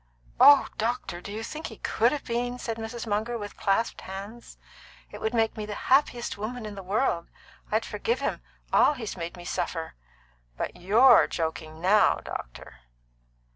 "Oh doctor, do you think he could have been?" said Mrs. Munger, with clasped hands. "It would make me the happiest woman in the world! I'd forgive him all he's made me suffer. But you're joking now, doctor?"